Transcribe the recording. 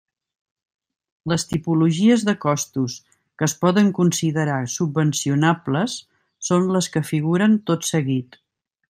Les tipologies de costos que es poden considerar subvencionables són les que figuren tot seguit.